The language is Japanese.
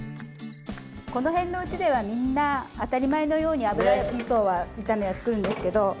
この辺のうちではみんな当たり前のように油みそ炒めは作るんですけど。